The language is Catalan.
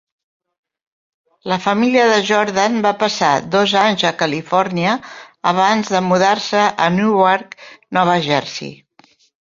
La família de Jordan va passar dos anys a Califòrnia abans de mudar-se a Newark, Nova Jersey.